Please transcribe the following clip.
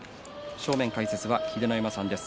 正面解説は秀ノ山さんです。